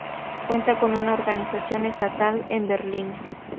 Cuenta con una organización estatal en Berlín.